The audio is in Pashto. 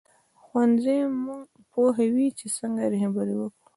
ښوونځی موږ پوهوي چې څنګه رهبري وکړو